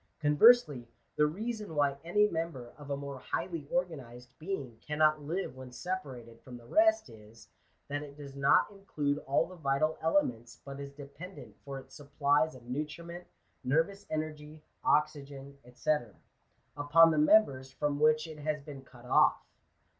Conversely, the reason why any member of a more highly organized being cannot live when separated from the rest is, that it does not include all the vital elements, but is dependent for its supplies of nutriment, nervous energy, oxygen, &c, upon the members from which it has been cut off.